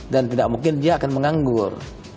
dan tidak mungkin dia akan menganggur